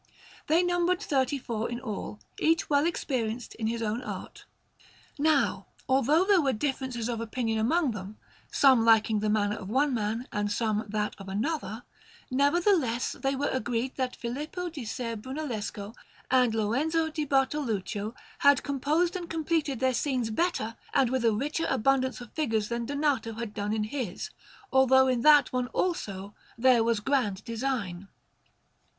They numbered thirty four in all, each well experienced in his own art. Now, although there were differences of opinion among them, some liking the manner of one man and some that of another, nevertheless they were agreed that Filippo di Ser Brunellesco and Lorenzo di Bartoluccio had composed and completed their scenes better and with a richer abundance of figures than Donato had done in his, although in that one, also, there was grand design.